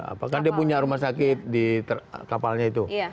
apakah dia punya rumah sakit di kapalnya itu